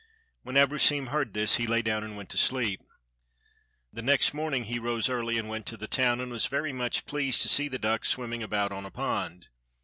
When Abrosim heard this he lay down and went to sleep. The next morning he rose early, and went to the town, and was very much pleased to see the duck swimming about on a pond.